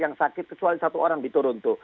yang sakit kecuali satu orang di toronto